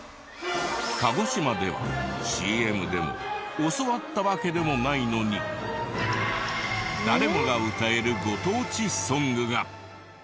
鹿児島ではＣＭでも教わったわけでもないのに誰もが歌えるご当地ソングが。